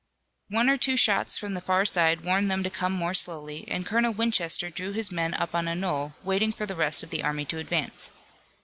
One or two shots from the far side warned them to come more slowly, and Colonel Winchester drew his men up on a knoll, waiting for the rest of the army to advance.